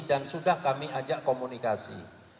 dan sudah kami ajak komunikasi